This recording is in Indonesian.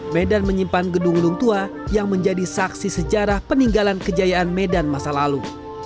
medan menyimpan gedung gedung tua yang menjadi saksi sejarah peninggalan kejayaan medan masa lalu